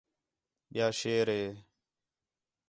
ٻیا شیر ہِے